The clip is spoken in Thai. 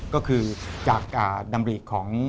ก็คือจากดำริของ